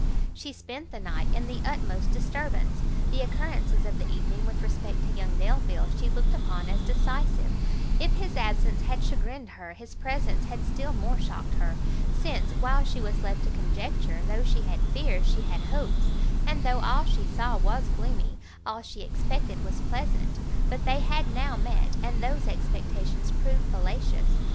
She spent the night in the utmost disturbance; the occurrences of the evening with respect to young Delvile she looked upon as decisive; if his absence had chagrined her, his presence had still more shocked her, since, while she was left to conjecture, though she had fears she had hopes, and though all she saw was gloomy, all she expected was pleasant; but they had now met, and those expectations proved fallacious.